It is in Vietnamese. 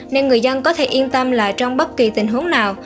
nên người dân có thể yên tâm là trong bất kỳ tình huống nào